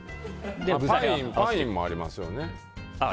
パインもありますよね。